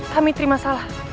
kami terima salah